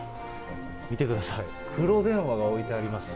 見てください、黒電話が置いてあります。